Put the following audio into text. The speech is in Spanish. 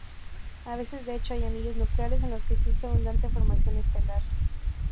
A veces, de hecho, hay anillos nucleares en los que existe abundante formación estelar.